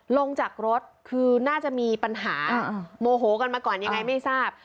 ลงจากรถคือน่าจะมีปัญหาโมโหกันมาก่อนยังไงไม่ทราบ